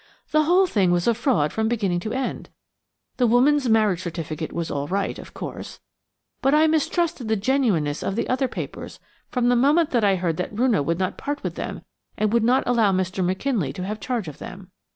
"The whole thing was a fraud from beginning to end. The woman's marriage certificate was all right, of course, but I mistrusted the genuineness of the other papers from the moment that I heard that Roonah would not part with them and would not allow Mr. McKinley to have charge of them.